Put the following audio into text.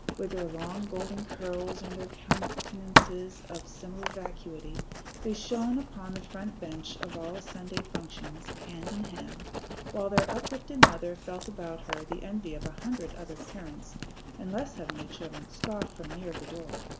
With their long golden curls and their countenances of similar vacuity, they shone upon the front bench of all Sunday school functions, hand in hand, while their uplifted mother felt about her the envy of a hundred other parents, and less heavenly children scoffed from near the door.